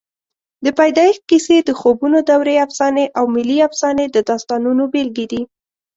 د پیدایښت کیسې، د خوبونو دورې افسانې او ملي افسانې د داستانونو بېلګې دي.